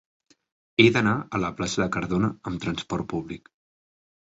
He d'anar a la plaça de Cardona amb trasport públic.